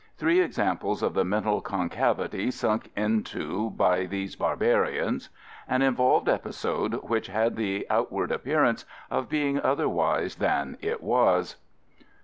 Three examples of the mental concavity sunk into by these barbarians. An involved episode which had the outward appearance of being otherwise than what it was.